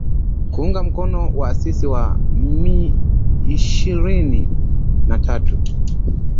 kuunga mkono waasi wa M ishirini na tatu